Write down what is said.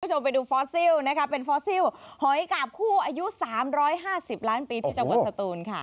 คุณผู้ชมไปดูฟอสซิลนะคะเป็นฟอสซิลหอยกาบคู่อายุ๓๕๐ล้านปีที่จังหวัดสตูนค่ะ